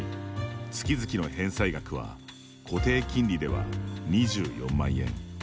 月々の返済額は固定金利では、２４万円。